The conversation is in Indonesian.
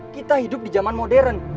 kita hidup di zaman modern